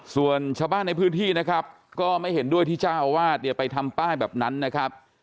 ส่วนชาวบ้านในพื้นที่นะครับก็ไม่เห็นด้วยที่เจ้าอาวาสเนี่ยไปทำป้ายแบบนั้นนะครับ